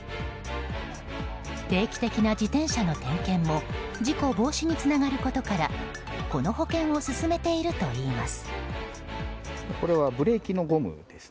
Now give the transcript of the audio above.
定期的な自転車の点検も事故防止につながることからこの保険を勧めているといいます。